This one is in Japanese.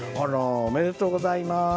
おめでとうございます。